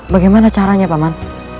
bagaimana caranya paman